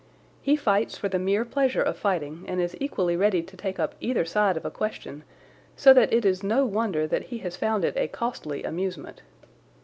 He fights for the mere pleasure of fighting and is equally ready to take up either side of a question, so that it is no wonder that he has found it a costly amusement.